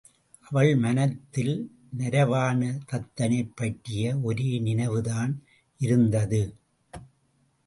அவள் மனத்தில் நரவாண தத்தனைப் பற்றிய ஒரே நினைவுதான் இருந்தது.